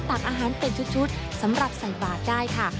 ตักอาหารเป็นชุดสำหรับใส่บาทได้ค่ะ